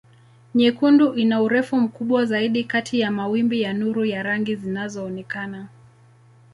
Nyekundu ina urefu mkubwa zaidi kati ya mawimbi ya nuru ya rangi zinazoonekana.